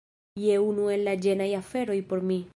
Jen unu el la ĝenaj aferoj por mi